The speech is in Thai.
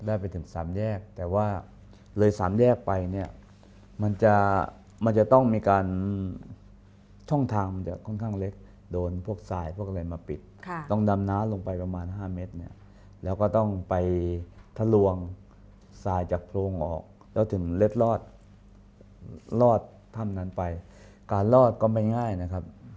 ไปถึงสามแยกแต่ว่าเลยสามแยกไปเนี่ยมันจะมันจะต้องมีการช่องทางมันจะค่อนข้างเล็กโดนพวกสายพวกอะไรมาปิดต้องดำน้ำลงไปประมาณ๕เมตรเนี่ยแล้วก็ต้องไปทะลวงสายจากโพรงออกแล้วถึงเล็ดรอดถ้ำนั้นไปการรอดก็ไม่ง่ายนะครับ